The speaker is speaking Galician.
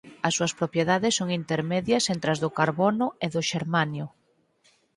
As súas propiedades son intermedias entre as do carbono e do xermanio.